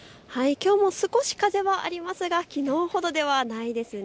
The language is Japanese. きょうも少し風はありますがきのうほどではないです。